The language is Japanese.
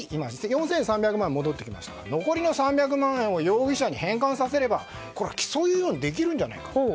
４３００万円戻ってきましたから残りの３００万円を容疑者に返還させれば起訴猶予にできるんじゃないかと。